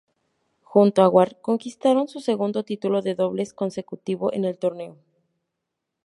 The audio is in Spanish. Junto a Ward, conquistaron su segundo título de dobles consecutivo en el torneo.